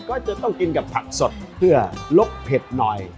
ก็จะต้องกินกับผักสดเพื่อลกเผ็ดหน่อย